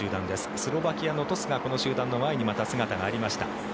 スロバキアのトスがこの集団の前にまた姿がありました。